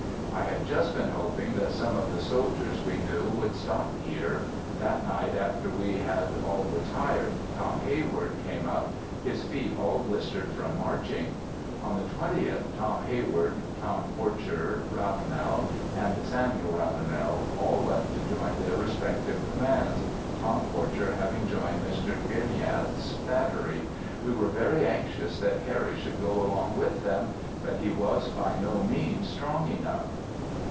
I had just been hoping that some of the soldiers we knew would stop here. That night after we had all retired, Tom Heyward came up, his feet all blistered from marching. On the 20th. Tom Heyward, Tom Porcher Ravenel, and Samuel Ravenel all left to join their respective commands, Tom Porcher having joined Mr. Gignilliat's battery. We were very anxious that Harry should go along with them, but he was by no means strong enough.